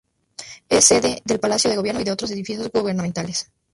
Es sede del Palacio de Gobierno y de otros edificios gubernamentales.